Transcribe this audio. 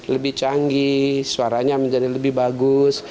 lebih canggih suaranya menjadi lebih bagus